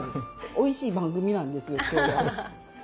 おいしい番組なんですよ今日は。